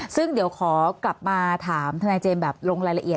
ซึ่งเดี๋ยวขอกลับมาถามทนายเจมส์แบบลงรายละเอียด